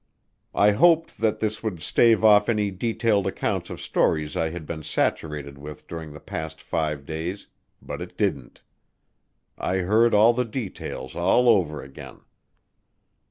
I hoped that this would stave off any detailed accounts of stories I had been saturated with during the past five days, but it didn't. I heard all the details all over again.